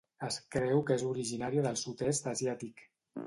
Es creu que és originària del sud-est asiàtic.